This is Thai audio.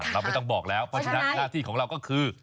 เราไม่ต้องบอกแล้วเพราะฉะนั้นหน้าที่ของเราก็คือ